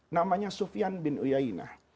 namanya sufyan bin uyainah